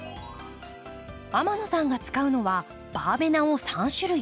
天野さんが使うのはバーベナを３種類。